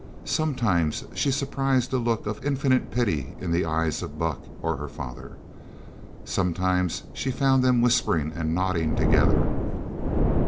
Sometimes she surprised a look of infinite pity in the eyes of Buck or her father. Sometimes she found them whispering and nodding together.